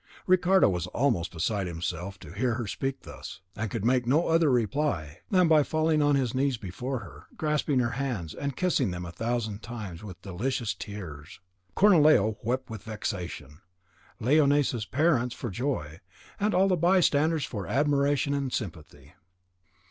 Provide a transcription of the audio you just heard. Ricardo was almost beside himself to hear her speak thus, and could make no other reply than by falling on his knees before her, grasping her hands, and kissing them a thousand times, with delicious tears. Cornelio wept with vexation, Leonisa's parents for joy, and all the bystanders for admiration and sympathy.